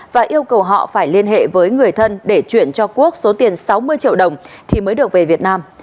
và yêu cầu họ phải liên hệ với người thân để chuyển cho quốc số tiền sáu mươi triệu đồng thì mới được về việt nam